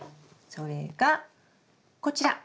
それがこちら。